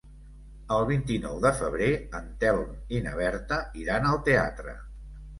El vint-i-nou de febrer en Telm i na Berta iran al teatre.